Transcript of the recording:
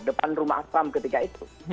depan rumah asram ketika itu